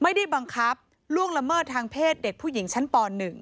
ไม่ได้บังคับล่วงละเมิดทางเพศเด็กผู้หญิงชั้นป๑